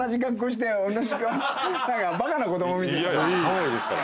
ハワイですから。